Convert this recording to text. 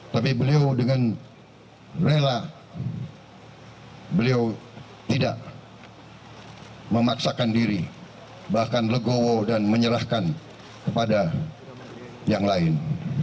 tapi beliau dengan rela beliau tidak memaksakan diri bahkan legowo dan menyerahkan kepada yang lain